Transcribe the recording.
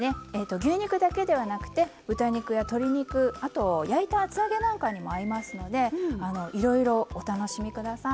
牛肉だけではなくて豚肉や鶏肉あと焼いた厚揚げなんかにも合いますのでいろいろお楽しみ下さい。